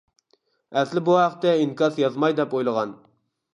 ئەسلى بۇ ھەقتە ئىنكاس يازماي دەپ ئويلىغان.